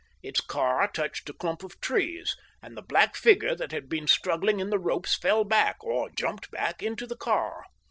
Its car touched a clump of trees, and the black figure that had been struggling in the ropes fell back, or jumped back, into the car.